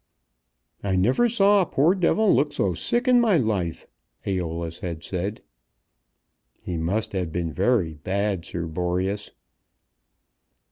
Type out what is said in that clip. "I never saw a poor devil look so sick in my life," Æolus had said. "He must have been very bad, Sir Boreas."